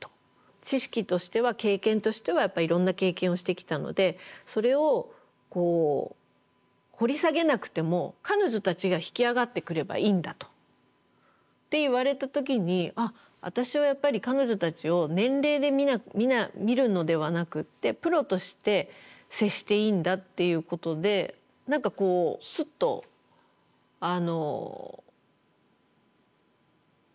知識としては経験としてはやっぱいろんな経験をしてきたのでそれを掘り下げなくても彼女たちが引き上がってくればいいんだと。って言われた時にあっ私はやっぱり彼女たちを年齢で見るのではなくってプロとして接していいんだっていうことで何かこうスッと悩みが消えましたね。